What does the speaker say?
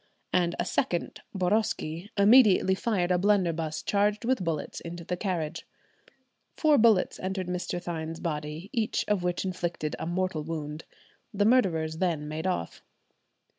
and a second, Boroski, immediately fired a blunderbuss charged with bullets into the carriage. Four bullets entered Mr. Thynne's body, each of which inflicted a mortal wound. The murderers then made off.